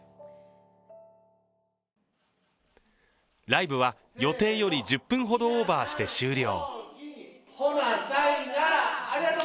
ライブは予定より１０分ほどオーバーして終了。